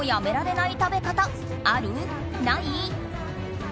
ない？